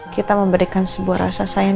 kita memberikan sebuah rasa sayang